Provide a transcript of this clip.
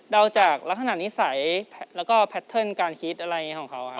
เดาจากลักษณะนิสัยแล้วก็แพทเทิร์นการคิดอะไรของเขาครับ